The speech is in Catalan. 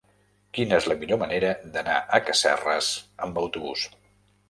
Quina és la millor manera d'anar a Casserres amb autobús?